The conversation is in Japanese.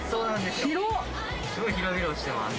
すごい広々してます